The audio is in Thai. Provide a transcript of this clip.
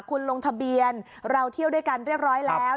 คุณลงทะเบียนเราเที่ยวด้วยกันเรียบร้อยแล้ว